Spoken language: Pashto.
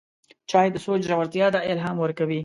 چای د سوچ ژورتیا ته الهام ورکوي